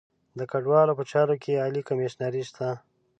د کډوالو په چارو کې عالي کمیشنري شته.